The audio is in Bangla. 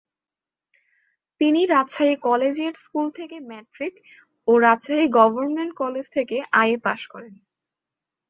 তিনি রাজশাহী কলেজিয়েট স্কুল থেকে ম্যাট্রিক ও রাজশাহী গভর্নমেন্ট কলেজ থেকে আইএ পাশ করেন।